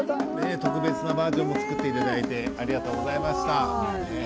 特別なバージョンも作っていただいてありがとうございました。